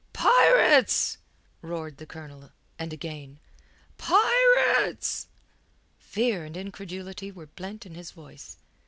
"Pirates!" roared the Colonel, and again, "Pirates!" Fear and incredulity were blent in his voice.